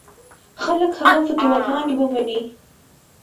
خلک هغه فتواګانې ومني.